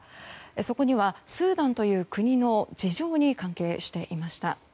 そこには、スーダンという国の事情が関係していました。